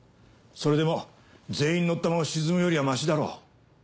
それでも全員乗ったまま沈むよりはマシだろ。